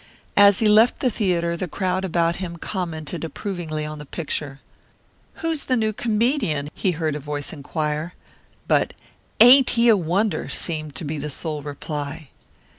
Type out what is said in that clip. As he left the theatre, the crowd about him commented approvingly on the picture: "Who's this new comedian?" he heard a voice inquire. But "Ain't he a wonder!" seemed to be the sole reply.